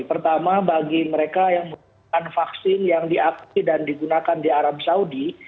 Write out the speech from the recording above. pertama bagi mereka yang menggunakan vaksin yang diakui dan digunakan di arab saudi